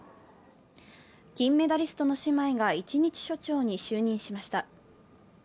金メダリストの姉妹が一日署長に就任しました。